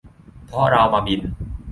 เพราะเรามาบิน